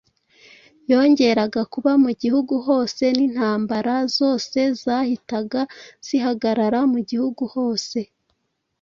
yongeraga kuba mu gihugu hose. N’intambara zose zahitaga zihagarara mu gihugu hose.